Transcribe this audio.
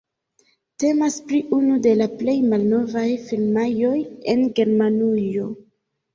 Temas pri unu de la plej malnovaj firmaoj en Germanujo.